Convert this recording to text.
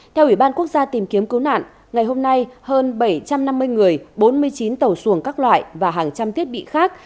theo ủy ban quốc gia tìm kiếm cứu nạn ngày hôm nay hơn bảy trăm năm mươi người bốn mươi chín tàu xuồng các loại và hàng trăm thiết bị khác